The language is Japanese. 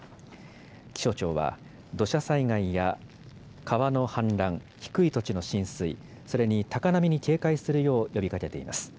気象庁は、土砂災害や川の氾濫、低い土地の浸水、それに高波に警戒するよう呼びかけています。